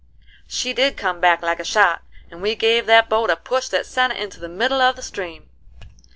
She did come back like a shot, and we give that boat a push that sent it into the middle of the stream.